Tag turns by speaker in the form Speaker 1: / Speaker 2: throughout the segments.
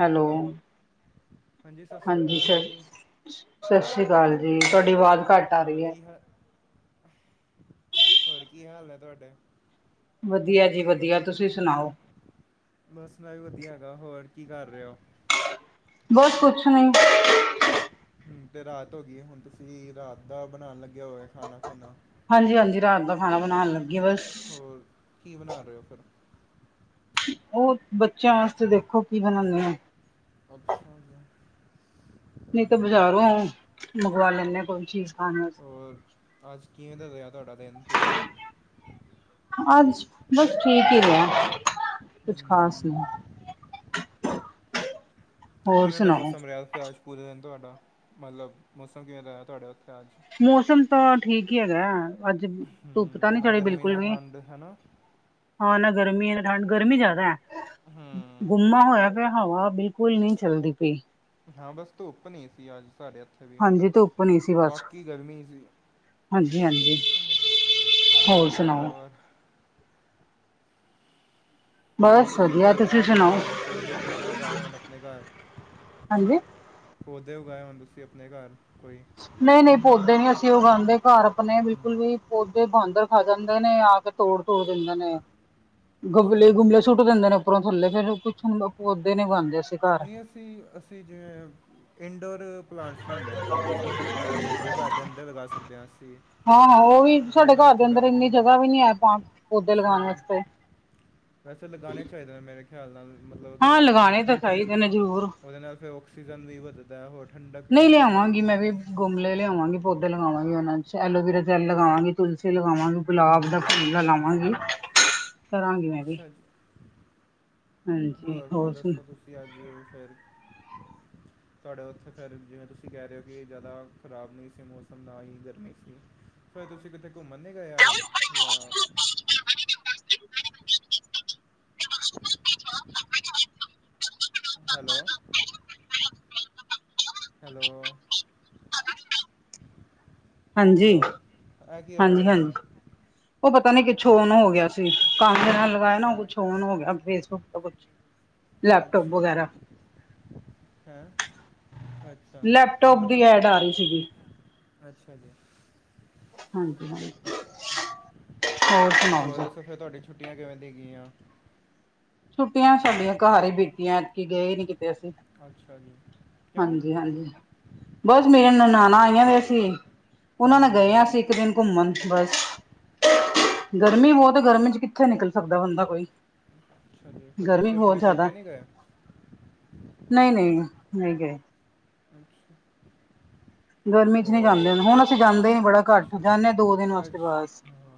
Speaker 1: Hello
Speaker 2: ਹਾਂਜੀ ਸਤਿ ਸ਼੍ਰੀ ਅਕਾਲ ਜੀ।
Speaker 1: ਸਤਿ ਸ਼੍ਰੀ ਅਕਾਲ ਜੀ ਤੁਹਾਡੀ ਆਵਾਜ਼ ਘੱਟ ਆ
Speaker 2: ਹੋਰ
Speaker 1: ਰੀ ਐ।
Speaker 2: ਕੀ ਹਾ ਹੋਰ ਕੀ ਹਾਲ ਹੈ ਤੁਹਡੇ?
Speaker 1: ਵਧੀਆ ਜੀ ਵਧੀਆ ਤੁਸੀਂ ਸੁਣਾਓ?
Speaker 2: ਬਸ ਮੈਂ ਵੀ ਵਧੀਆ ਹੈਗਾ ਹੋਰ ਕੀ ਕਰ ਰੇਓ?
Speaker 1: ਬਸ ਕੁੱਛ ਨਹੀ।
Speaker 2: ਹੁਣ ਤੇ ਰਾਤ ਹੋ ਗਈ ਏ ਹੁਣ ਤੁਸੀਂ ਰਾਤ ਦਾ ਬਣਾਣ ਲੱਗੇ ਹੋਵੇਗੇ ਖਾਣਾ-ਖੁਣਾ।
Speaker 1: ਹਾਂਜੀ-ਹਾਂਜੀ ਰਾਤ ਦਾ ਖਾਣਾ ਬਣਾਣ ਲੱਗੀ ਬਸ।
Speaker 2: ਹੋਰ ਕੀ ਬਣਾਰੇ ਓ ਫਿਰ?
Speaker 1: ਔਰ ਬੱਚਿਆਂ ਵਾਸਤੇ ਦੇਖੋ ਕੀ ਬਣਾਣੀ ਆ।
Speaker 2: ਅੱਛਾ ਜ
Speaker 1: ਨਹੀ ਤਾਂ ਬਜ਼ਾਰੋਂ ਮੰਗਵਾ ਲੈਂਣੇ ਆ ਕੋਈ ਚੀਜ਼ ਖਾਣ ਵਾ
Speaker 2: ਹੋਰ ਅੱਜ ਕਿਵੇ ਦਾ ਰਿਹਾ ਤੁਹਾਡਾ ਦਿਨ ਪੂਰਾ?
Speaker 1: ਅੱਜ ਬਸ ਠੀਕ ਈ ਰਿਹਾ ਕੁਛ ਖ਼ਾਸ ਨੀ।
Speaker 2: ਹੂੰ,
Speaker 1: ਹੋਰ
Speaker 2: ਕਿਵੇਂ ਦਾ
Speaker 1: ਸੁਣਾਓ
Speaker 2: ਮੌਸਮ ਰਿਹਾ ਉੱਥੇ ਅੱਜ ਪੂਰੇ ਦਿਨ ਤੁਹਾਡਾ ਮਤਲਬ ਮੌਸਮ ਕਿਵੇਂ ਦਾ ਰਿਹਾ ਤੁਹਾਡਾ ਉੱਥੇ ਅੱਜ?
Speaker 1: ਮੌਸਮ ਤਾਂ ਠੀਕ ਈ ਹੈਗਾ ਐ ਅੱਜ ਧੁੱਪ ਤਾਂ
Speaker 2: ਹੂੰ,
Speaker 1: ਨੀ
Speaker 2: ਨਾ
Speaker 1: ਚੜੀ
Speaker 2: ਗਰਮੀ
Speaker 1: ਬਿਲਕੁਲ
Speaker 2: ਨਾ
Speaker 1: ਵੀ।
Speaker 2: ਠੰਡ ਹੈ ਨਾ
Speaker 1: ਹਾਂ ਨਾ ਗਰਮੀ ਨਾ ਠੰਡ ਗਰਮੀ ਜ਼ਿਆਦਾ।
Speaker 2: ਹੂੰ।
Speaker 1: ਗੁੰਮਾ ਹੋਇਆ ਪਿਆ ਹਵਾ ਬਿਲਕੁੱਲ ਨੀ ਚੱਲਦੀ ਪੀ।
Speaker 2: ਹਾਂ ਬਸ ਧੁੱਪ ਨੀ ਸੀ ਅੱਜ ਸਾਡੇ ਐੱਥ
Speaker 1: ਹਾਂਜੀ ਧੁੱਪ ਨੀ ਸੀ ਬਸ,
Speaker 2: ਸੀ
Speaker 1: ਹਾਂਜੀ-ਹਾਂਜੀ। ਹੋਰ ਸੁਣਾਓ?
Speaker 2: ਹੋਰ
Speaker 1: ਬਸ
Speaker 2: ਤੁਸੀਂ
Speaker 1: ਵਧੀਆ
Speaker 2: ਫਿਰ ਇਹ
Speaker 1: ਸੁਣਾਓ
Speaker 2: ਗਰਮੀਆਂ ਚ ਪੌਦੇ-ਪੁਦੇ ਉਗਾਏ ਹੋਣ ਆਪਣੇ ਘੱਰ।
Speaker 1: ਹਾਂਜੀ
Speaker 2: ਪੌਦੇ ਉਗਾਏ ਹੋਣ ਤੁਸੀਂ ਆਪਣੇ ਘਰ ਕੋਈ।
Speaker 1: ਨਈ-ਨਈ ਪੌਦੇ ਨੀ ਅਸੀਂ ਉਗਾਂਦੇ ਘਰ ਆਪਣੇ ਬਿਲਕੁੱਲ
Speaker 2: ਹੂੰ
Speaker 1: ਵੀ ਪੌਦੇ ਬਾਂਦਰ ਖਾ ਜਾਂਦੇ ਨੇ ਆ ਕੇ। ਤੋੜ-ਤੂੜ ਦਿੰਦੇ ਨੇ
Speaker 2: ਅੱਛਾ ਜੀ
Speaker 1: ਗਂਮਲੇ-ਗੁੰਮਲੇ ਸੁੱਟ ਦਿੰਦੇ ਨੇ ਉਪਰੋਂ ਥੱਲੇ ਫਿਰ ਕੁੱਛ ਪੌਦੇ ਨੀ ਉਂਗਾਦੇ ਅਸੀ
Speaker 2: ਨਹੀਂ ਅਸੀਂ ਅਸੀਂ ਜਿਵੇਂ ਇਨਡੋਰ ਪਲਾਂਟਸ ਵੀ ਹੁੰਦੇ ਨੇ ਕਾਫੀ ਸਾਰੇ ਜੋ ਘਰ ਦੇ ਅੰਦਰ ਲਗਾ ਸਕਦੇ ਹਾਂ ਅਸੀਂ।
Speaker 1: ਹਾਂ-ਹਾਂ ਉਹ ਵੀ
Speaker 2: ਜਿਹਦੇ
Speaker 1: ਸਾਡੇ
Speaker 2: ਨਾਲ
Speaker 1: ਘਰ ਦੇ ਅੰਦਰ
Speaker 2: ਥੋੜ੍ਹਾ
Speaker 1: ਇੰਨੀ
Speaker 2: ਹੂੰ
Speaker 1: ਜਗ੍ਹਾ ਵੀ ਨੀ ਹੈ ਪਾ ਪੌਦੇ
Speaker 2: ਅੱਛਾ
Speaker 1: ਲਗਾਣ
Speaker 2: ਜੀ
Speaker 1: ਵਾਸਤੇ।
Speaker 2: ਵੈਸੇ ਲਗਾਣੇ ਚਾਹੀਦੇ ਨੇ ਮੇਰੇ ਖਿਆਲ ਨਾਲ ਮਤਲੱਬ
Speaker 1: ਹਾਂ
Speaker 2: ਅਗਰ
Speaker 1: ਲਗਾਉਣੇ ਤਾਂ
Speaker 2: ਹੂੰ
Speaker 1: ਚਾਹੀਦੇ ਨੇ ਜ਼ਰੂਰ
Speaker 2: ਉਹਦੇ ਨਾਲ ਫਿਰ ਔਕਸੀਜਨ ਵੀ ਵੱਧਦਾ ਹੋਰ ਠੰਡਕ ਵੀ ਹੁੰਦੀ ਥੋੜ੍ਹੀ
Speaker 1: ਗਂਮਲੇ ਲਿਆਵਾਂਗੇ
Speaker 2: ਹਾਂਜੀ
Speaker 1: ਪੌਦੇ ਲਗਾਵਾਂਗੇ ਉਹਨਾਂ ਚ ਐਲੋਵਰਾ ਜੈਲ ਲਗਾਵਾਂਗੀ। ਤੁਲਸੀ ਲਗਾਵਾਂਗੀ ਗ਼ੁਲਾਬ ਦਾ ਫੁੱਲ ਲਾਵਾਂਗੀ। ਕਰਾਂਗੀ ਮੈਂ ਵੀ
Speaker 2: ਅੱਛਾ ਜੀ
Speaker 1: ਹਾਂਜੀ
Speaker 2: ਹੋਰ ਫਿਰ
Speaker 1: ਸੁ
Speaker 2: ਦਸੋ ਕੁੱਛ ਹਾਂਜੀ ਅੱਜ ਫਿਰ ਤੁਹਾਡੇ ਉੱਥੇ ਫਿਰ ਜਿਵੇਂ ਤੁਸੀਂ ਕਹਿ ਰਹੇ ਹੋ ਕਿ ਜ਼ਿਆਦਾ ਖ਼ਰਾਬ ਨਹੀਂ ਸੀ ਮੌਸਂਮ ਨਾ ਹੀ ਗਰਮੀਂ ਸੀ। ਫਿਰ ਤੁਸੀਂ ਕਿਤੇੇ ਘੁੰਮਣ ਨਹੀ ਗਏ ਅੱਜ ਜਾਂ। Hello hello.
Speaker 1: ਹਾਂਜੀ,
Speaker 2: ਹੈਲੋ ਇਹ ਕੀ ਹੋਇਆ
Speaker 1: ਹਾਂਜੀ
Speaker 2: ਸੀ
Speaker 1: ਹਾਂਜੀ।
Speaker 2: ਹੁਣੀ
Speaker 1: ਉਹ ਪਤਾ ਨੀ ਕੁੱਛ ਔਨ ਹੋ ਗਿਆ ਸੀ। ਕਂਨ ਨਾਲ ਲਗਾਇਆ ਨਾ ਉਹ ਕੁੱਛ
Speaker 2: ਅ-
Speaker 1: ਔਨ ਹੋ ਗਿਆ। ਫੇਸਬੁੱਕ ਤੋਂ ਕੁੱਛ। ਲੈਪਟੋਪ
Speaker 2: ਅੱਛਾ ਜੀ
Speaker 1: ਵਗੈਰਾ।
Speaker 2: ਹੈਂ ਅੱਛਾ ਹੋਰ
Speaker 1: ਲੈਪਟੋਪ ਦੀ
Speaker 2: ਦੱਸੋ?
Speaker 1: ਐਡ ਆ ਰਹੀ ਸੀਗੀ
Speaker 2: ਅੱਛਾ ਜੀ।
Speaker 1: ਹਾਂਜੀ-ਹਾਂਜੀ।
Speaker 2: ਹੋਰ ਦੱਸੋ ਫਿਰ ਤੁਹਾਡੀ ਛੁੱਟੀਆਂ ਕਿਵੇਂ ਦੀ ਗਈਆਂ?
Speaker 1: ਛੁੱਟੀਆਂ ਸਾਡੀਆਂ ਘਰ ਹੀ ਬੀਤੀਆਂ ਐਤਕੀ ਗਏ ਹੀ ਨੀ ਕਿਤੇ ਅਸੀਂ।
Speaker 2: ਅੱਛਾ ਜੀ ਕਿਉਂ
Speaker 1: ਹਾਂਜੀ ਹਾਂਜੀ, ਬੱਸ ਮੇਰੀਆਂ ਨਣਾਣਾ ਆਈਆਂ ਹੋਈਆਂ ਸੀ। ਉਹਨਾਂ ਨਾਲ ਗਏ ਆ
Speaker 2: ਹਮ,
Speaker 1: ਅਸੀ ਇੱਕ ਦਿਨ ਘੁੰਮਣ ਬਸ। ਗਰਮੀਂ ਬਹੁਤ ਗਰਮੀਂ ਚ ਕਿੱਥੇ ਨਿਕਲ ਸਕਦਾ ਬੰਦਾ ਕੋਈ।
Speaker 2: ਅੱਛਾ ਜੀ ਫਿਰ
Speaker 1: ਗਰਮੀਂ
Speaker 2: ਤੁਸੀਂ
Speaker 1: ਬਹੁਤ
Speaker 2: ਆਪਣੇ
Speaker 1: ਜ਼ਿਆਦਾ
Speaker 2: ਪੇਕੇ ਨਹੀਂ ਗਏ
Speaker 1: ਨਹੀਂ, ਨਹੀਂ, ਨਹੀਂ ਗਏ।
Speaker 2: ਅੱਛਾ
Speaker 1: ਗਰਮੀਂ ਚ ਨਹੀਂ
Speaker 2: ਹੋਰ
Speaker 1: ਜਾਂਦੇ ਹੁਣ ਅਸੀਂ ਜਾਂਦੇ ਹੀ ਨਹੀਂ ਬੜਾ ਘੱਟ
Speaker 2: ਅੱਛਾ
Speaker 1: ਜਾਂਦੇ ਹਾਂ ਦੋ ਦਿਨ ਵਾਸਤੇ ਬੱਸ।
Speaker 2: ਅੱਛਾ ਹਾਂ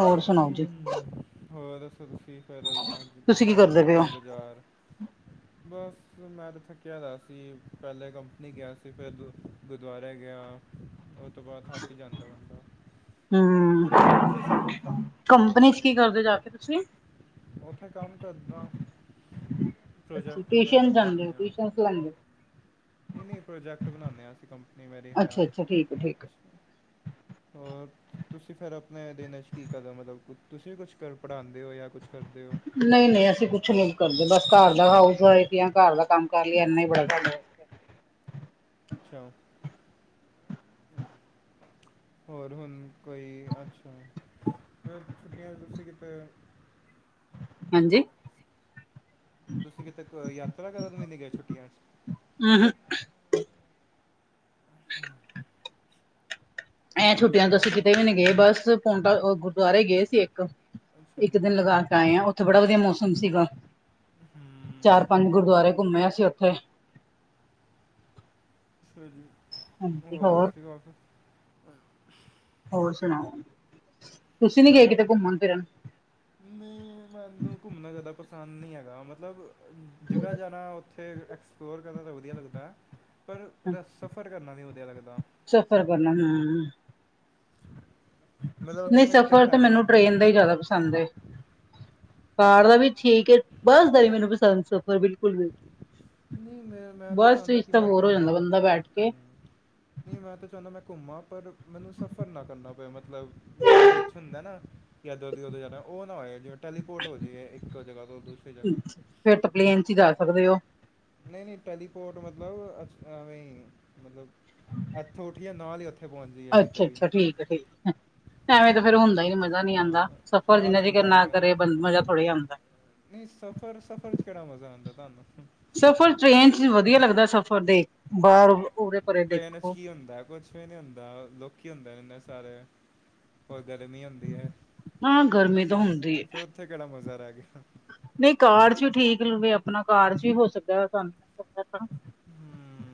Speaker 1: ਹੋਰ ਸੁਣਾਓ ਜੀ
Speaker 2: ਹਮ ਹੋਰ ਦੱਸੋ ਤੁਸੀਂ ਫਿਰ ਅੱਜ ਕਿਤੇ ਘੁੰਮਣ ਗਏ ਬਾਜ਼ਾਰ।
Speaker 1: ਹਮ [unintelligible]
Speaker 2: ਬਸ ਮੈਂ ਤਾਂ ਥੱਕਿਆ ਪਿਆ ਸੀ ਪਹਿਲੇ ਕੰਪਨੀ ਗਿਆ ਸੀ ਫਿਰ ਗੁਰੂਦੁਆਰੇ ਗਿਆ। ਉਹ ਤੋਂ ਬਾਅਦ ਥੱਕ ਜਾਂਦਾ ਬੰਦਾ
Speaker 1: ਹਮ
Speaker 2: ਪੂਰੇ ਦਿਨ ਉਥੇ ਸੀ ਨਾ।
Speaker 1: ਕੰਪਨੀ ਚ ਕੀ ਕਰਦੇ ਜਾ ਕੇ ਤੁਸੀਂ।
Speaker 2: ਉੱਥੇ ਕੰਮ ਕਰਦਾ ਪ੍ਰੋਜੈਕਟ ਵਗੈਰਾ ਬਣਾਉਦੇ ਹਾਂ।
Speaker 1: ਲੈ ਲਓ।
Speaker 2: ਨਹੀਂ ਨਹੀਂ ਪ੍ਰੋਜੈਕਟ ਬਣਾਦੇ ਹਾਂ ਅਸੀਂ ਕੰਪਨੀ। ਮੇਰੀ ਹੈ
Speaker 1: ਅੱਛਾ, ਅੱਛਾ, ਠੀਕ, ਠੀਕ।
Speaker 2: ਹੋਰ? ਤੁਸੀਂ ਫਿਰ ਆਪਣੇ ਦਿਨ ' ਚ ਕੀ ਕਰਦੇ ਹੋ ਮਤਲੱਬ ਤੁਸੀਂ ਵੀ ਕੁੱਛ ਕਰਦੇ ਪੜ੍ਹਾਉਦੇ ਹੋ ਜਾਂ ਕੁੱਛ ਕਰਦੇ ਹੋ।
Speaker 1: ਨਹੀਂ ਨਹੀਂ ਅਸੀਂ ਕੁਛ ਨੀ ਕਰਦੇ ਬਸ ਘਰ ਦਾ ਹਾਊਸ ਵਾਈਫ ਹੀ ਆ ਘਰ ਦਾ ਕੰਮ ਕਰ ਲਈਏ ਇੰਨਾ ਹੀ ਬੜਾ ਸਾਨੂੰ।
Speaker 2: ਅੱਛਾ।
Speaker 1: [unintelligible]
Speaker 2: ਹੋਰ ਹੁਣ ਕੋਈ ਅੱਛਾ ਫਿਰ ਛੁੱਟੀਆਂ ਤੁਸੀਂ ਕਿਥੇ?
Speaker 1: ਹਾਂਜੀ?
Speaker 2: ਤੁਸੀਂ ਕਿਤੇ ਕੋਈ ਯਾਤਰਾ ਕਰਨ ਵੀ ਨਹੀਂ ਗਏ ਛੁੱਟੀਆਂ 'ਚ?
Speaker 1: ਅੰਹ।
Speaker 2: [unintelligible]
Speaker 1: ਐ ਛੁੱਟੀਆਂ ਤੋਂ
Speaker 2: ਹੋਰ
Speaker 1: ਅਸੀਂ ਕਿਤੇ ਵੀ ਨੀ ਗਏ ਬੱਸ ਪਾਉਂਟਾ ਗੁਰੂਦੁਆਰੇ ਗਏ ਸੀ ਇੱਕ।
Speaker 2: ਅੱਛਾ
Speaker 1: ਇੱਕ
Speaker 2: ਜੀ।
Speaker 1: ਦਿਨ ਲਗਾ ਕੇ ਆਏ ਆ ਉੱਥੇ ਬੜਾ ਵਧੀਆ ਮੌਸਮ ਸੀਗਾ।
Speaker 2: ਹਮ
Speaker 1: ਚਾਰ ਪੰਜ ਗੁਰੂਦੁਆਰੇ ਘੁੰਮੇ ਅਸੀਂ ਉੱਥੇ।
Speaker 2: ਹਮ
Speaker 1: ਹਾਂਜੀ ਹੋਰ? ਹੋਰ ਸੁਣਾਓ, ਤੁਸੀਂ ਨਹੀ ਗਏ ਕਿਤੇ ਘੁੰਮਣ ਫਿਰਨ?
Speaker 2: ਨਹੀਂ ਮੈਨੂੰ ਘੁੰਮਣਾ ਜ਼ਿਆਦਾ ਪਸੰਦ ਨਹੀਂ ਹੈਗਾ। ਮਤਲਬ ਜਗ੍ਹਾ ਜਾਣਾ। ਫਿਰ ਐਕਸਪਲੋਰ ਕਰਨਾ ਤਾਂ ਵਧੀਆ ਲੱਗਦਾ। ਪਰ ਰ ਸਫ਼ਰ ਕਰਨਾ ਨਹੀਂ ਵਧੀਆ ਲੱਗਦਾ।
Speaker 1: ਸਫ਼ਰ ਕਰਨਾ ਹੂੰ
Speaker 2: [unintelligible] ਅਗਰ
Speaker 1: ਨਹੀਂ
Speaker 2: ਮੈਂ ਕਿਤੇ
Speaker 1: ਸਫ਼ਰ ਤਾਂ
Speaker 2: ਹੈਗਾ
Speaker 1: ਮੈਨੂੰ ਟ੍ਰੇਨ ਦਾ
Speaker 2: ਹਾਂਜੀ
Speaker 1: ਹੀ ਜ਼ਿਆਦਾ ਪਸੰਦ। ਪਸੰਦ ਏ ਕਾਰ ਦਾ ਵੀ ਠੀਕ ਹੈ। ਬਸ ਦਾ ਨਹੀਂ ਮੈਨੂੰ ਪਸੰਦ ਸਫ਼ਰ ਬਿਲਕੁਲ।
Speaker 2: ਨਹੀਂ ਮੈਂ ਮੈਂ ਤਾਂ
Speaker 1: ਬੱਸ
Speaker 2: ਚਾਹੁੰਦਾ
Speaker 1: ਵਿੱਚ
Speaker 2: ਕਿ
Speaker 1: ਤਾਂ
Speaker 2: ਮੈਂ
Speaker 1: ਬੋਰ ਹੋ ਜਾਂਦਾ
Speaker 2: ਘੁੰਮਾ
Speaker 1: ਬੰਦਾ ਬੈਠ ਕੇ
Speaker 2: ਹਮ ਨਹੀਂ ਮੈਂ ਤਾਂ ਚਾਹੁੰਦਾ ਮੈਂ। ਘੁੰਮਾਂ ਪਰ ਮੈਨੂੰ ਸਫ਼ਰ ਨਾ ਕਰਨਾ ਪਏ ਮਤਲਬ ਜੋ ਵਿੱਚ ਹੁੰਦਾ ਨਾ ਕਿ ਇੱਧਰ ਦੀ ਉਧਰ ਜਾਣਾ ਉਹ ਨਾ ਹੋਏ ਜਿਵੇਂ ਟੈਲੀਪੋਰਟ ਹੋ ਜਾਈਏ ਇੱਕ ਜਗ੍ਹਾ ਤੋਂ ਦੁਸ
Speaker 1: ਫਿਰ ਤਾਂ ਪਲੇਨ ਚ ਈ ਜਾ ਸਕਦੇ ਹੋ।
Speaker 2: ਨਹੀਂ ਨਹੀਂ ਟੈਲੀਪੋਰਟ ਮਤਲਬ ਅ ਐਵੇਂ ਮਤਲਬ ਇੱਥੋਂ ਉੱਠੀਏ ਨਾਲ ਹੀ ਉੱਥੇ ਪਹੁੰਚ ਜਾਈਏ ਕਿਤੇ
Speaker 1: ਅੱਛਾ
Speaker 2: ਵੀ
Speaker 1: ਅੱਛਾ, ਠੀਕ ਹੈ ਠੀਕ ਹੈ। ਐਵੇਂ ਤਾਂ ਫੇਰ ਹੁੰਦਾ ਹੀ ਨੀ ਮਜ਼ਾ ਨੀ ਆਉਂਦਾ
Speaker 2: ਹਾਂ
Speaker 1: ਸਫ਼ਰ
Speaker 2: ਤਾਂ
Speaker 1: ਜਿੰਨਾ
Speaker 2: ਤਾਂ
Speaker 1: ਤੀਕਰ
Speaker 2: ਮਜ਼ਾ
Speaker 1: ਨਾ
Speaker 2: ਆਏਗਾ
Speaker 1: ਕਰੇ ਬ ਮਜ਼ਾ ਥੋੜੀ ਆਉਂਦਾ।
Speaker 2: ਨਹੀਂ ਸਫ਼ਰ ਸਫ਼ਰ ਚ ਕਿਹੜਾ ਮਜ਼ਾ ਆਉਂਦਾ ਤੁਹਾਨੂੰ।
Speaker 1: ਸਫ਼ਰ ਟ੍ਰੇਨ ਚ ਵਧੀਆ ਲੱਗਦਾ ਸਫ਼ਰ ਦੇ ਬਾਹਰ ਉਰੇ ਪਰੇ
Speaker 2: ਟ੍ਰੇਨ 'ਚ
Speaker 1: ਦੇਖੋ।
Speaker 2: ਕੀ ਹੁੰਦਾ ਕੁੱਝ। ਕੁੱਛ ਨੀ ਹੁੰਦਾ ਲੋਕੀ ਹੁੰਦੇ ਰਹਿੰਦੇ ਸਾਰੇ ਹੋਰ ਗਰਮੀ ਹੁੰਦੀ ਹੈ
Speaker 1: ਹਾਂ
Speaker 2: ਫ
Speaker 1: ਗਰਮੀ ਤਾਂ ਹੁੰਦੀ
Speaker 2: ਫਿਰ
Speaker 1: ਹੈ
Speaker 2: ਉੱਥੇ ਕਿਹੜਾ ਮਜ਼ਾ ਰਹਿ ਗਿਆ।
Speaker 1: ਨਹੀਂ ਕਾਰ ਚ ਵੀ ਠੀਕ ਲਵੇ ਆਪਣਾ ਕਾਰ ਚ ਵੀ ਹੋ ਸਕਦਾ ਸਾਨੂੰ
Speaker 2: ਹੂੰ।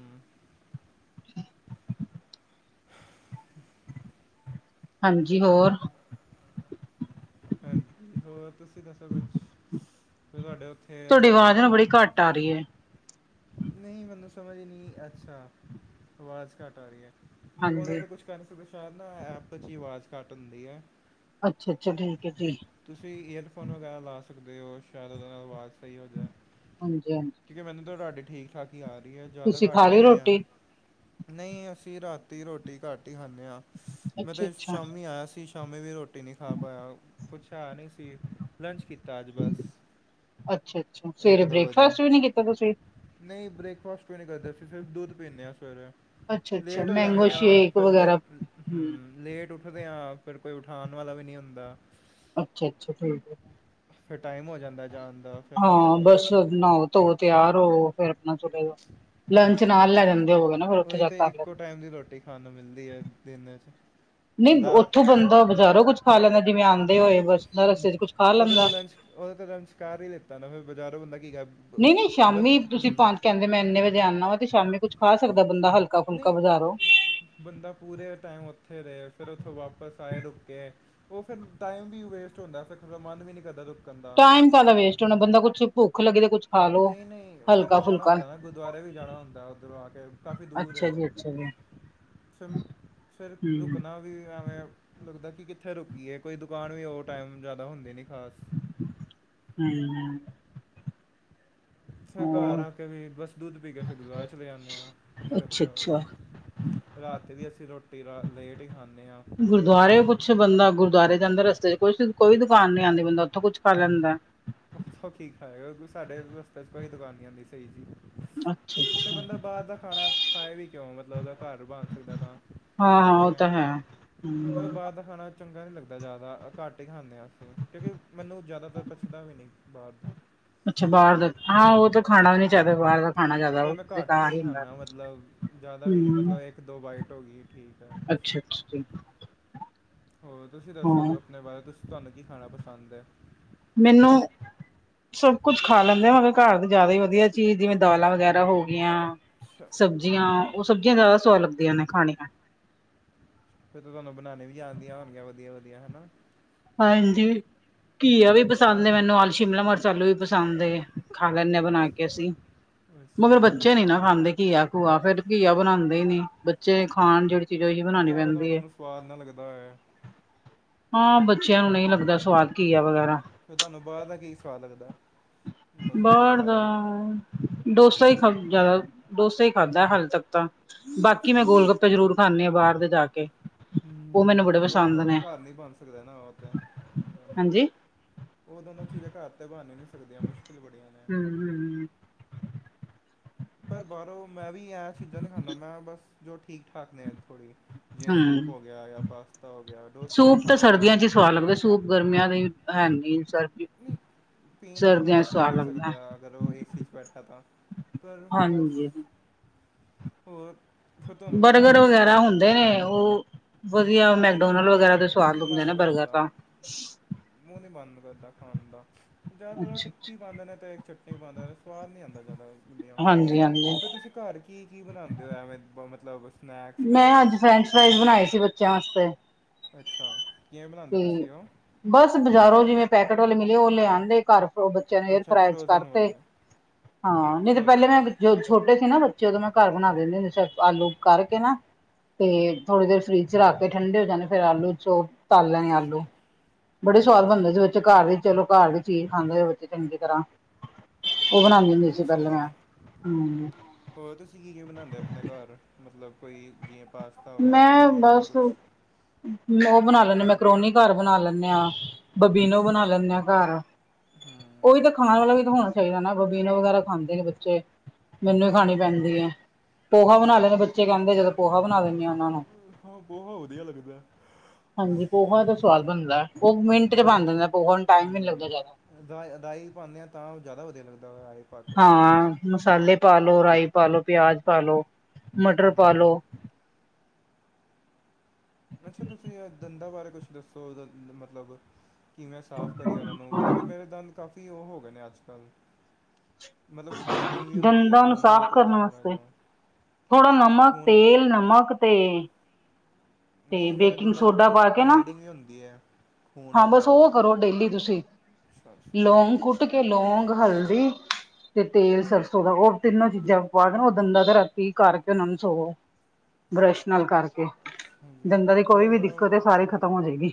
Speaker 1: ਹਾਂਜੀ, ਹੋਰ?
Speaker 2: ਹਾਂਜੀ ਹੋਰ ਤੁਸੀਂ ਦੱਸੋ ਕੁਛ, ਫ ਤੁਹਾਡੇ ਉੱਥੇ ਉੱਥੇ
Speaker 1: ਤੁਹਾਡੀ ਆਵਾਜ਼ ਨਾ
Speaker 2: ਅੱਜ
Speaker 1: ਬੜੀ ਘੱਟ ਆ ਰਹੀ ਹੈ
Speaker 2: ਨਹੀਂ ਮਤਲਬ ਸਮਝ ਨਹੀਂ ਅੱਛਾ ਆਵਾਜ਼ ਘੱਟ ਆ ਰਹੀ ਹੈ। ਉਹਦਾ
Speaker 1: ਹਾਂਜੀ
Speaker 2: ਤੇ ਕੁਛ ਕਰ ਨੀ ਸਕਦੇ ਸ਼ਾਇਦ ਨਾ ਐਪ ਚ ਹੀ ਆਵਾਜ਼ ਘੱਟ ਹੁੰਦੀ ਹੈ।
Speaker 1: ਅੱਛਾ ਅੱਛਾ, ਠੀਕ ਹੈ ਜੀ।
Speaker 2: ਤੁਸੀਂ ਈਅਰਫੋਨ ਵਗੈਰਾ ਲਾ ਸਕਦੇ ਹੋ ਸ਼ਾਇਦ ਉਹਦੇ ਨਾਲ ਆਵਾਜ਼ ਸਹੀ ਹੋ ਜਾਵੇ।
Speaker 1: ਹਾਂਜੀ-ਹਾਂਜੀ।
Speaker 2: ਕਿਉਂਕਿ ਮੈਨੂੰ ਤਾਂ ਤੁਹਾਡੀ ਠੀਕ ਠਾਕ ਹੀ ਆ ਰਹੀ ਹੈ ਜ਼ਿਆਦਾ
Speaker 1: ਤੁਸੀਂ
Speaker 2: ਘੱਟ
Speaker 1: ਖਾ
Speaker 2: ਵੀ
Speaker 1: ਲਈ
Speaker 2: ਨਹੀਂ ਆ।
Speaker 1: ਰੋਟੀ
Speaker 2: ਨਹੀਂ ਅਸੀਂ ਰਾਤੀ ਰੋਟੀ ਘੱਟ ਹੀ ਖਾਂਦੇ ਹਾਂ ਮੈਂ
Speaker 1: ਅੱਛਾ
Speaker 2: ਤਾਂ
Speaker 1: ਅੱਛਾ
Speaker 2: ਸ਼ਾਮੀ ਆਇਆ ਸੀ ਸ਼ਾਮੀ ਵੀ ਰੋਟੀ ਨਹੀਂ ਖਾ ਪਾਇਆ ਕੁਛ ਹੈ ਨਹੀਂ ਸੀ ਲੰਚ ਕੀਤਾ ਅੱਜ ਬਸ।
Speaker 1: ਅੱਛਾ ਅੱਛਾ
Speaker 2: ਇੱਕ
Speaker 1: ਸਵੇਰੇ
Speaker 2: ਦੋ ਵਜੇ
Speaker 1: ਬ੍ਰੇਕਫਾਸਟ ਵੀ ਨੀ ਕੀਤਾ ਤੁਸੀਂ?
Speaker 2: ਨਹੀਂ ਬ੍ਰੇਕਫਾਸਟ ਵੀ ਨਹੀਂ ਕਰਦੇ ਅਸੀਂ ਸਿਰਫ ਦੁੱਧ ਪੀਂਦੇ ਹਾਂ ਸਵੇਰੇ।
Speaker 1: ਅੱਛਾ ਅੱਛਾ
Speaker 2: ਲੇਟ ਹੋ
Speaker 1: ਮੈਂਗੋ
Speaker 2: ਜਾਂਦੇ ਹਾਂ
Speaker 1: ਸ਼ੇਕ
Speaker 2: ਫਿਰ ਲ
Speaker 1: ਵਗੈਰਾ ਹੂੰ
Speaker 2: ਹਮ ਲੇਟ ਉ ਉੱਠਦੇ ਹਾਂ ਫਿਰ ਕੋਈ ਉਠਾਉਣ ਵਾਲਾ ਵੀ ਨਹੀਂ ਹੁੰਦਾ।
Speaker 1: ਅੱਛਾ ਅੱਛਾ, ਠੀਕ ਹੈ।
Speaker 2: ਫਿਰ ਟਾਈਮ ਹੋ ਜਾਂਦਾ ਹੈ ਜਾਣ ਦਾ ਫਿਰ ਕੀ ਕਰੀਏ
Speaker 1: ਨ੍ਹਾਓ ਧੋ ਤਿਆਰ ਹੋ ਫੇਰ ਆਪਣਾ ਚਲੇ ਜਾ ਲੰਚ ਨਾਲ ਲੈ ਜਾਂਦੇ ਹੋਗੇ ਨਾ ਫਿਰ ਉੱਥੇ
Speaker 2: ਉਹੀ
Speaker 1: ਜਾ
Speaker 2: ਤੇ
Speaker 1: ਕਰ
Speaker 2: ਇੱਕੋ
Speaker 1: ਲੈਂਦੇ
Speaker 2: ਟਾਈਮ ਦੀ ਰੋਟੀ ਖਾਣ ਨੂੰ ਮਿਲਦੀ ਹੈ ਦਿਨ ਚ।
Speaker 1: ਨਹੀਂ
Speaker 2: ਸਧ
Speaker 1: ਉੱਥੋਂ ਬੰਦਾ ਬਜ਼ਾਰੋਂ ਕੁੱਝ ਖਾ ਲੈਂਦਾ ਜਿਵੇਂ ਆਉਂਦੇ
Speaker 2: ਨਹੀਂ
Speaker 1: ਹੋਏ
Speaker 2: ਬੱਚੇ
Speaker 1: ਬਸ ਰਸਤੇ ਚ ਕੁੱਛ ਖਾ
Speaker 2: ਉਹਦੇ
Speaker 1: ਲੈਂਦਾ
Speaker 2: ਤੇ ਲੰਚ ਉਹਦੇ ਤੇ ਲੰਚ। [unintelligible] ਕਰ ਹੀ ਲਿੱਤਾ ਨਾ ਫਿਰ ਬਾਜ਼ਾਰੋਂ ਬੰਦਾ ਕੀ ਕਰ
Speaker 1: ਨਹੀਂ ਨਹੀਂ
Speaker 2: ਬੰ
Speaker 1: ਸ਼ਾਮੀ ਤੁਸੀਂ
Speaker 2: ਹੂੰ,
Speaker 1: ਪੰਜ ਕਹਿੰਦੇ ਮੈਂ ਇਨੇ ਵਜੇ ਆਨਾ ਵਾਂ ਤੇ ਸ਼ਾਮੀ ਕੁੱਛ ਖਾ ਸਕਦਾ ਬੰਦਾ ਹਲਕਾ ਫੁਲਕਾ
Speaker 2: ਨਹੀਂ
Speaker 1: ਬਜ਼ਾਰੋ।
Speaker 2: ਬੰਦਾ ਪੂਰੇ ਟਾਈਮ ਉੱਥੇ ਰਹੇ, ਫਿਰ ਉੱਥੋਂ ਵਾਪਸ ਆਏ, ਰੁਕੇ। ਉਹ ਫਿਰ ਟਾਈਮ ਵੀ ਵੇਸਟ ਹੁੰਦਾ ਫਿਰ ਖ ਮਨ ਵੀ ਨਹੀਂ ਕਰਦਾ ਰੁਕਣ ਦਾ
Speaker 1: ਟਾਈਮ
Speaker 2: ਫ
Speaker 1: ਕਾਹਦਾ ਵੇਸਟ
Speaker 2: ਹੂੰ
Speaker 1: ਹੋਣਾ ਬੰਦਾ ਕੁੱਛ ਭੁੱਖ ਲੱਗੇ ਤੇ ਕੁੱਛ ਖਾ ਲੋ
Speaker 2: ਨਹੀਂ ਨਹੀਂ, ਫਿਰ
Speaker 1: ਹਲਕਾ
Speaker 2: ਮੈਂ ਜਾਣਾ
Speaker 1: ਫੁਲਕਾ
Speaker 2: ਹੁੰਦਾ ਨਾ ਗੁਰਦੁਆਰੇ ਵੀ ਜਾਣਾ ਹੁੰਦਾ ਉਧਰੋਂ ਆ ਕੇ ਕਾਫੀ ਦੂਰ ਏ
Speaker 1: ਅੱਛਾ
Speaker 2: ਉਹ
Speaker 1: ਜੀ ਅੱਛਾ ਜੀ
Speaker 2: ਫਿਰ ਫਿਰ
Speaker 1: ਹੂੰ
Speaker 2: ਰੁਕਨਾ ਵੀ ਐਵੇਂ ਲੱਗਦਾ, ਕਿ ਕਿੱਥੇ ਰੁਕੀਏ ਕੋਈ ਦੁਕਾਨ ਵੀ ਉਹ ਔ ਟਾਈਮ ਜਿਆਦਾ ਹੁੰਦੇ ਨੀ ਖਾਸ।
Speaker 1: ਹੂੰ।
Speaker 2: ਫਿਰ ਘਰ
Speaker 1: ਹੋਰ
Speaker 2: ਆ ਕੇ ਵੀ ਬਸ ਦੁੱਧ ਪੀ ਕੇ ਫਿਰ ਗੁਰਦੁਆਰੇ ਚਲੇ ਜਾਂਦੇ ਹਾਂ, ਕੀ
Speaker 1: ਅੱਛਾ
Speaker 2: ਕਰੀਏ
Speaker 1: ਅੱਛਾ
Speaker 2: ਹੋਰ ਰਾਤ ਦੀ ਅਸੀਂ ਰੋਟੀ ਰ ਲੇਟ ਹੀ ਖਾਂਦੇ ਹਾਂ। ਪਤਾ ਨਹੀਂ
Speaker 1: ਗੁਰਦੁਆਰੇ
Speaker 2: ਕਿਉਂ
Speaker 1: ਕੁੱਛ ਬੰਦਾ ਗੁਰਦੁਆਰੇ ਜਾਂਦੇ ਰਸਤੇ ਚ ਕੁਛ ਕੋਈ ਦੁਕਾਨ ਨੀ ਆਉਂਦੀ ਬੰਦਾ ਉੱਥੋਂ ਕੁਛ ਖਾ ਲੈਂਦਾ।
Speaker 2: ਓਥੋਂ ਕੀ ਖਾਏਗਾ, ਸਾਡੇ ਰਸਤੇ ਚ ਕੋਈ ਦੁਕਾਨ ਨਹੀਂ ਆਉਂਦੀ ਸਹੀ ਜੀ।
Speaker 1: ਅੱਛਾ
Speaker 2: ਤੇ
Speaker 1: ਅੱਛਾ
Speaker 2: ਬੰਦਾ ਬਾਹਰ ਦਾ ਖਾਣਾ ਖਾਏ ਵੀ ਕਿਉਂ? ਮਤਲਬ, ਉਹਦਾ ਘਰ ਬਣ ਸਕਦਾ ਤਾਂ
Speaker 1: ਹਾਂ ਹਾਂ ਉਹ ਤਾਂ ਹੈ।
Speaker 2: ਮੈਂ
Speaker 1: ਹੂੰ।
Speaker 2: ਬਾਹਰ ਦਾ ਖਾਣਾ ਚੰਗਾ ਨਹੀਂ ਲੱਗਦਾ ਜ਼ਿਆਦਾ ਘੱਟ ਹੀ ਖਾਂਦੇ ਹਾਂ ਅਸੀਂ ਕਿਉਂਕਿ ਮੈਨੂੰ ਜ਼ਿਆਦਾਤਰ ਪਚਦਾ ਵੀ ਨਹੀਂ ਬਾਹਰ ਦਾ।
Speaker 1: ਅੱਛਾ ਬਾਹਰ ਦਾ। ਹਾਂ ਉਹ ਤਾਂ ਖਾਣਾ ਵੀ ਨੀ ਚਾਹੀਦਾ ਬਾਹਰ ਦਾ। ਖਾਣਾ ਜ਼ਿਆਦਾ
Speaker 2: ਫੇਰ ਮੈਂ ਘੱਟ
Speaker 1: ਬੇਕਾਰ
Speaker 2: ਹੀ
Speaker 1: ਹੁੰਦਾ।
Speaker 2: ਖਾਂਨਾ, ਮਤਲਬ ਜਿਆਦਾ ਵੀ ਨੀ
Speaker 1: ਹੂੰ
Speaker 2: ਮਤਲਬ ਇੱਕ ਦੋ ਬਾਈਟ ਹੋ ਗਈ ਠੀਕ ਐ।
Speaker 1: ਅੱਛਾ, ਅੱਛਾ। [inaudible]
Speaker 2: ਹੋਰ ਤੁਸੀਂ ਦੱਸੋ
Speaker 1: ਹਾਂ
Speaker 2: ਆਪਣੇ ਬਾਰੇ ਤੁਸੀ ਤੁਹਾਨੂੰ ਕੀ ਖਾਣਾ ਪਸੰਦ ਹੈ?
Speaker 1: ਮੈਨੂੰ ਸਭ ਕੁਝ ਖਾ ਲੈਂਦੇ ਆ ਮਗਰ ਘਰ ਦੇ ਜ਼ਿਆਦਾ ਹੀ ਵਧੀਆ ਚੀਜ਼ ਜਿਵੇਂ ਦਾਲਾਂ ਵਗੈਰਾ ਹੋ ਗਈਆਂ।
Speaker 2: [inaudible]
Speaker 1: ਸਬਜ਼ੀਆਂ ਉਹ ਸਬਜ਼ੀਆਂ ਜ਼ਿਆਦਾ ਸਵਾਦ ਲੱਗਦੀਆਂ ਨੇ ਖਾਣ
Speaker 2: ਫੇਰ ਤਾਂ ਤੁਹਾਨੂੰ ਬਣਾਉਣੇ ਵੀ ਆਦੀਆਂ ਹੋਣਗੀਆਂ ਵਧੀਆ ਵਧੀਆ ਹਨਾ?
Speaker 1: ਹਾਂਜੀ, ਘੀਆ ਵੀ ਪਸੰਦ ਐ ਮੈਨੂੰ ਆ ਸ਼ਿਮਲਾ ਮਰਚ ਆਲੂ ਵੀ ਪਸੰਦ। ਖਾ ਲੈਂਦੇ ਆ ਬਣਾ ਕੇ ਅਸੀਂ
Speaker 2: ਅੱਛਾ
Speaker 1: ਮਗਰ
Speaker 2: ਜੀ
Speaker 1: ਬੱਚੇ ਨੀ ਨਾ ਖਾਂਦੇ। ਘੀਆ-ਘੂਆ ਫੇਰ ਘੀਆ ਬਣਾਦੇ ਈ ਨੀ, ਬੱਚੇ ਖਾਣ ਜਿਹੜੀ ਚੀਜ਼ ਹੀ ਬਣਾਉਣੀ
Speaker 2: ਕਿਆ ਪਤਾ
Speaker 1: ਪੈਂਦੀ
Speaker 2: ਉਹਨਾਂ
Speaker 1: ਐ।
Speaker 2: ਨੂੰ ਸਵਾਦ ਨਾ ਲੱਗਦਾ ਹੋਏ
Speaker 1: ਹਾਂ ਬੱਚਿਆਂ ਨੂੰ ਨਈ ਲੱਗਦਾ ਸਵਾਦ ਕੀਆ ਵਗੈਰਾ।
Speaker 2: ਫਿਰ ਤੁਹਾਨੂੰ ਬਾਅਰ ਦਾ ਕੀ ਸਵਾਦ ਲੱਗਦਾ? ਮਤਲਬ
Speaker 1: ਬਾੜ ਦਾ
Speaker 2: ਬਜ਼ਾਰੋਂ
Speaker 1: ਡੋਸਾ ਹੀ ਖਾ ਜਿਆਦਾ ਡੋਸਾ ਹੀ ਖਾਧਾ ਹਾਲੇ ਤੱਕ ਤਾਂ ਬਾਕੀ
Speaker 2: ਅੱਛਾ
Speaker 1: ਮੈਂ ਗੋਲ-ਗੱਪਾ ਜ਼ਰੂਰ ਖਾਂਦੇ ਆ ਬਾਹਰ ਦੇ ਜਾ ਕੇ ਉਹ ਮੈਨੂੰ
Speaker 2: ਹੂੰ
Speaker 1: ਬੜੇ
Speaker 2: ਉਹ
Speaker 1: ਪਸੰਦ
Speaker 2: ਉਹ
Speaker 1: ਨੇ
Speaker 2: ਘਰ ਨੀ ਬਣ ਸਕਦਾ ਨਾ ਉਹ ਤੇ
Speaker 1: ਹਾਂਜੀ।
Speaker 2: ਉਹ ਦੋਨੋ ਚੀਜ਼ਾਂ ਘਰ ਤੇ ਬਣ ਹੀ ਨੀ ਸਕਦੀਆਂ, ਮੁਸ਼ਕਿਲ ਬੜੀਆਂ ਨੇ
Speaker 1: [unintelligible]
Speaker 2: ਪਰ ਬਾਹਰੋਂ ਮੈਂ ਵੀ ਇਹ ਚੀਜ਼ਾਂ ਨਹੀਂ ਖਾਂਦਾ ਮੈਂ ਬਸ ਜੋ ਠੀਕ-ਠਾਕ ਨੇ ਅ ਥੋੜ੍ਹੀ। ਜਿਵੇ ਸੂਪ
Speaker 1: ਹੂੰ
Speaker 2: ਹੋ ਗਿਆ ਜਾਂ ਪਾਸਤਾ ਹੋ ਗਿਆ ਡੋਸਾ ਵੀ
Speaker 1: ਸੂਪ
Speaker 2: ਖਾ
Speaker 1: ਤਾਂ
Speaker 2: ਲੈਂਦਾ
Speaker 1: ਸਰਦੀਆਂ
Speaker 2: ਮੈਂ
Speaker 1: ਚ ਹੀ ਸਵਾਦ ਲੱਗਦਾ ਸੂਪ ਗਰਮੀਆਂ ਦੇ ਹੈ ਨਹੀਂ ਸਰ
Speaker 2: ਨਹੀਂ ਪੀਣ ਵਾਲਾ ਬੰਦਾ ਪੀ ਵੀ
Speaker 1: ਲੱਗਦਾ
Speaker 2: ਸਕਦਾ, ਅਗਰ ਉਹ ਏਸੀ 'ਚ ਬੈਠਾ ਤਾਂ। [unintelligible]
Speaker 1: ਹਾਂਜੀ।
Speaker 2: ਬਣਾਉਣਾ
Speaker 1: ਬਰਗਰ
Speaker 2: ਕੀ
Speaker 1: ਵਗੈਰਾ
Speaker 2: ਪਸੰਦ ਹੈ
Speaker 1: ਹੁੰਦੇ ਨੇ ਉਹ ਵਧੀਆ
Speaker 2: ਉਹ ਨਹੀਂ
Speaker 1: ਮੈਕਡੋਨਲ ਵਗੈਰਾ ਦੇ
Speaker 2: ਉਹ
Speaker 1: ਸਵਾਦ
Speaker 2: ਨਹੀਂ
Speaker 1: ਹੁੰਦੇ
Speaker 2: ਮਨ
Speaker 1: ਨੇ ਬਰਗਰ
Speaker 2: ਕਰਦਾ
Speaker 1: ਤਾ।
Speaker 2: ਮੂੰਹ ਨੀ ਬੰਦ ਕਰਦਾ ਖਾਨ ਦਾ, ਜ਼ਿਆਦਾਤਰ ਓ
Speaker 1: ਅੱਛਾ ਅੱਛਾ
Speaker 2: ਟਿੱਕੀ ਪਾਦੇਂ ਨੇ ਤੇ ਚਟਨੀ ਪਾਦਾ ਸਵਾਦ ਨਈ ਆਦਾ ਜਾ਼ਦਾ ਵਧਆ
Speaker 1: ਹਾਂਜੀ ਹਾਂਜੀ
Speaker 2: ਫਿਰ ਤੁਸੀਂ ਘਰ ਕੀ-ਕੀ ਬਣਾਦੇ ਓ ਐਵੇਂ ਮਤਲਬ? ਸਨੈਕਸ
Speaker 1: ਮੈਂ
Speaker 2: ਟਾਈਪ ਅਚ
Speaker 1: ਅੱਜ
Speaker 2: ਤੁ
Speaker 1: ਫਰੈਂਚ
Speaker 2: ਸੀ
Speaker 1: ਫਰਾਈਜ਼ ਬਣਾਏ ਸੀ ਬੱਚਿਆਂ ਵਾਸਤੇ
Speaker 2: ਅੱਛਾ, ਕਿਵੇ ਬਣਾਦੇ
Speaker 1: ਤੇ
Speaker 2: ਤੁਸੀਂ ਓ
Speaker 1: ਬਸ ਬਾਜ਼ਾਰੋਂ ਜਿਵੇਂ ਪੈਕੇਟ ਵਾਲੇ ਮਿਲੇ ਉਹ ਲਿਆ ਆਦੇ ਘਰ ਫ ਬੱਚਿਆਂ ਨੂੰ
Speaker 2: ਅੱਛਾ
Speaker 1: ਫਰਾਈ
Speaker 2: ਫਰੋਜ਼ਨ
Speaker 1: ਕਰਤੇ।
Speaker 2: ਵਾਲੇ
Speaker 1: ਹਾਂ ਨਈ ਤੇ
Speaker 2: ਫਰੋਜ਼ਨ
Speaker 1: ਪਹਿਲੇ ਮੈਂ
Speaker 2: ਵਾਲੇ
Speaker 1: ਜ ਛੋਟੇ ਸੀ ਨਾ ਬੱਚੇ ਉਦੋਂ ਮੈਂ ਘਰ ਬਣਾ
Speaker 2: ਹੂੰ
Speaker 1: ਦਿੰਦੇ ਹੁੰਦੇ ਸਿਰਫ ਆਲੂ ਕਰਕੇ ਨਾ ਤੇ ਥੋੜ੍ਹੀ ਦੇਰ ਫਰਿਜ ਚ ਰੱਖ ਕੇ ਠੰਡੇ ਹੋ ਜਾਣੇ ਫਰ ਆਲੂ ਚੋ ਤਲ ਲੈਣੇ
Speaker 2: ਅੱਛਾ
Speaker 1: ਆਲੂ, ਬੜੇ ਸਵਾਦ ਬਣਦੇ ਸੀ ਬੱਚੇ ਘਰ ਦੀ ਚਲੋ ਘਰ ਦੀ ਚੀਜ਼ ਖਾਂਦੇ ਸੀ ਬੱਚੇ ਚੰਗੀ ਤਰ੍ਹਾਂ। ਓ ਬਣਾਦੀ ਹੁੰਦੀ ਸੀ
Speaker 2: ਅੱਛਾ
Speaker 1: ਪਹਿਲਾਂ ਮੈਂ
Speaker 2: ਜੀ।
Speaker 1: ਹੂੰ,
Speaker 2: ਹੋਰ ਤੁਸੀਂ ਕੀ-ਕੀ ਬਣਾਦੇ ਓ ਆਪਣੇ ਘਰ ਮਤਲਬ ਕੋਈ ਜਿਵੇਂ ਪਾਸ
Speaker 1: ਮੈਂ ਬਸ ਓ ਬਣਾ ਲੈ ਮੈਂ
Speaker 2: ਸੂਪ
Speaker 1: ਕਰੋਨੀ ਘਰ ਬਨਾ ਲੈਨੇ ਆ, ਬਬੀਨੋ
Speaker 2: ਅੱਛਾ
Speaker 1: ਬਣਾ ਲੈਂਨੇ ਆ ਘਰ।
Speaker 2: ਹੂੰ
Speaker 1: ਓਈ ਵੀ ਤਾਂ ਖਾਨ ਵਾਲਾ ਵੀ ਤਾਂ ਹੋਣਾ ਚਾਈਦਾ ਨਾ ਬਬੀਨਾ ਵਗੈਰਾ ਖਾਂਦੇ ਨੇ ਬੱਚੇ। ਮੈਨੂੰ ਹੀ ਖਾਣੀ ਪੈਂਦੀ ਐ। ਪੋਹਾ ਬਨਾ ਲੈਂਨੇ ਬੱਚੇ ਕਹਿੰਦੇ ਜਦੋਂ ਪੋਹਾ ਬਨਾ ਦਿੰਦੇ ਆ ਉਹਨਾਂ ਨੂੰ
Speaker 2: ਹਾਂ, ਬਹੁਤ ਵਧੀਆ ਲੱਗਦਾ।
Speaker 1: ਹਾਂਜੀ ਪੋਹਾ ਦਾ ਸਵਾਦ ਬਣਦਾ ਉਹ ਮਿੰਟ ਤੇ ਬਣ ਜਾਂਦਾ ਪੋਹਾ ਨੂੰ ਟਾਈਮ ਈ ਨੀ ਲੱਗਦਾ ਜ਼ਿਆਦਾ।
Speaker 2: ਅਦਾ ਅਦਾਈ ਪਾਉਂਦੇ ਆ ਤਾਂ ਜ਼ਿਆਦਾ ਵਧੀਆ ਲੱਗਦਾ ਪਾ ਕੇ
Speaker 1: ਹਾਂ ਮਸਾਲੇ ਪਾ ਲ ਲੋ, ਰਾਈ ਪਾ, ਲੋ ਪਿਆਜ਼ ਪਾ ਲੋ, ਮਟਰ ਪਾ ਲੋ।
Speaker 2: ਅੱਛਾ ਤੁਸੀਂ ਇਹ ਦੰਦਾਂ ਬਾਰੇ ਕੁਛ ਦੱਸੋ ਉਹਦਾ ਮਤਲਬ ਕਿਵੇਂ ਸਾਫ਼ ਕਰੀ ਉਹਨਾਂ ਨੂੰ, ਕਿਉਂਕਿ ਮੇਰੇ ਦਨ ਕਾਫੀ ਉਹ ਹੋ ਗਏ ਨੇ ਅੱਜ ਕੱਲ੍ਹ ਮਤਲਬ ਬਲੀਡਿੰਗ ਵੀ ਹੁੰਦੀ ਐ,
Speaker 1: ਦੰਦਾਂ ਨੂੰ
Speaker 2: ਖੂਨ ਵੀ
Speaker 1: ਸਾਫ਼ ਕਰਨ
Speaker 2: ਨਿਕਲਦਾ ਥੋੜ੍ਹਾ
Speaker 1: ਵਾਸਤੇ
Speaker 2: ਜਿਹਾ
Speaker 1: ਥੋੜਾ ਨਮਕ,
Speaker 2: ਖੂਨ
Speaker 1: ਤੇਲ, ਨਮਕ ਤੇ ਤੇ
Speaker 2: ਨਹੀਂ ਮੇਰੇ
Speaker 1: ਬੇਕਿੰਗ
Speaker 2: ਦੰਦਾਂ 'ਚੋਂ
Speaker 1: ਸੋਡਾ
Speaker 2: ਖੂਨ
Speaker 1: ਪਾ ਕੇ ਨਾਂ
Speaker 2: ਬਲੀਡਿੰਗ ਵੀ ਹੁੰਦੀ ਹੈ ਖੂਨ
Speaker 1: ਹਾਂ ਬਸ
Speaker 2: ਵਗੈਰਾ
Speaker 1: ਉਹ ਕਰੋ ਡੇਲੀ ਤੁਸੀਂ,
Speaker 2: ਅੱਛਾ ਅੱਛਾ
Speaker 1: ਲੋਂਗ ਕੁਟ ਕੁੱਟ ਕੇ ਲੋਂਂਗ ਹਲਦੀ ਤੇ ਤੇਲ ਸਰਸੋਂ ਦਾ ਉਹ ਤਿੰਨੋਂ ਚੀਜ਼ਾਂ ਪਾ ਦੇ ਉਹ ਦੰਦਾ ਤੇ ਰਾਤੀਂ ਕਰਕੇ ਉਹਨਾਂ ਨੂੰ ਸੋਵੋ। ਬਰੱਸ਼ ਨਾਲ ਕਰਕੇ,
Speaker 2: ਅੱਛਾ ਜੀ
Speaker 1: ਦੰਦਾਂ ਦੀ ਕੋਈ
Speaker 2: ਚਲੋ
Speaker 1: ਵੀ
Speaker 2: ਬੜਾ ਵ
Speaker 1: ਦਿੱਕਤ ਐ ਸਾਰੀ ਖਤਮ ਹੋ
Speaker 2: ਹਾਂਜੀ
Speaker 1: ਜਾਏਗੀ।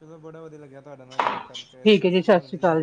Speaker 2: ਚਲੋ ਬੜਾ ਵਧੀਆ ਲੱਗਿਆ ਤੁਹਾਡੇ ਨਾਲ ਗੱਲ ਕਰਕੇ। ਸਤਿ ਸ਼੍ਰੀ ਅਕਾਲ ਜੀ।